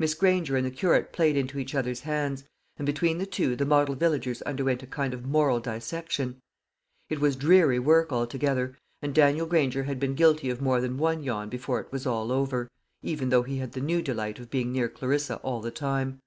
Miss Granger and the curate played into each other's hands, and between the two the model villagers underwent a kind of moral dissection. It was dreary work altogether; and Daniel Granger had been guilty of more than one yawn before it was all over, even though he had the new delight of being near Clarissa all the time.